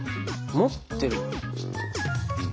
持ってる？